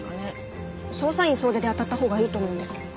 捜査員総出であたったほうがいいと思うんですけど。